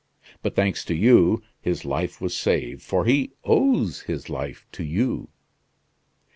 But thanks to you; his life was saved; for he owes his life to you.